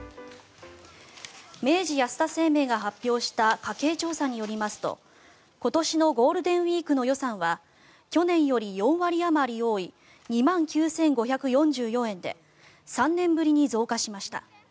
明治安田生命が発表した家計調査によりますと今年のゴールデンウィークの予算は去年より４割あまり多い２万９５４４円で３年ぶりに増加しました。